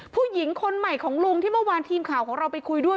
ผู้หญิงคนใหม่ของลุงที่เมื่อวานทีมข่าวของเราไปคุยด้วย